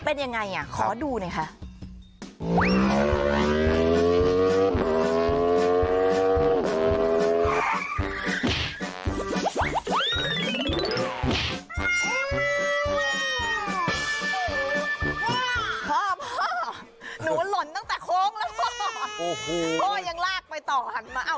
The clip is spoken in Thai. พ่อหนูว่าหล่นตั้งแต่โค้งแล้วพ่อยังลากไปต่อหันมาโห